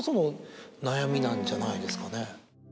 なんじゃないですかね？